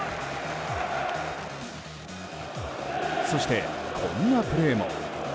そして、こんなプレーも。